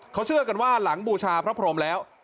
เขาเชื่อกันว่าหลังบูชาพระพรมแล้ว